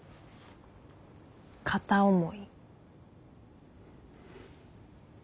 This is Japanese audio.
片思い。